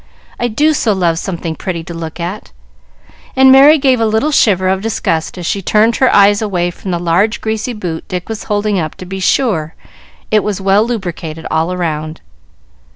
I do so love something pretty to look at!" and Merry gave a little shiver of disgust as she turned her eyes away from the large greasy boot Dick was holding up to be sure it was well lubricated all round.